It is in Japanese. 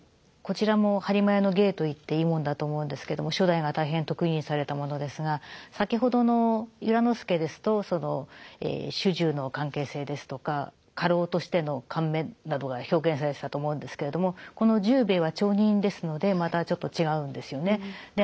こちらも播磨屋の芸といっていいものだと思うんですけれども初代が大変得意にされたものですが先ほどの由良之助ですとその主従の関係性ですとか家老としての貫目などが表現されていたと思うんですけれどもこの十兵衛は町人ですのでまたちょっと違うんですよね。